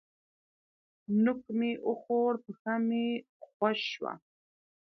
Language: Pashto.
نوک مې وخوړ؛ پښه مې خوږ شوه.